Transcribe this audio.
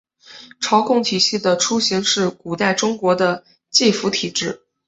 朝贡体系的雏形是古代中国的畿服制度。